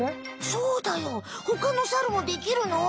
そうだよほかのサルもできるの？